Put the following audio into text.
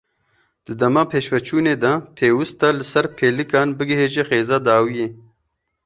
Di dema pêşveçûnê de pêwîst e li ser pêlikan bighêje xêza dawiyê.